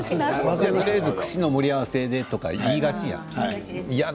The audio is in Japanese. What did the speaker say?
とりあえず串の盛り合わせって言いたいじゃん。